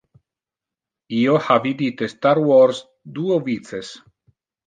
Io ha vidite Star Wars duo vices.